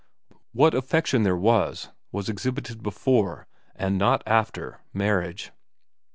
What affection there was was ex hibited before, and not after, marriage.